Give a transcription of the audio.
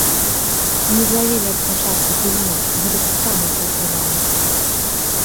Не злавілі ад пачатку гульню, гэта таксама паўплывала.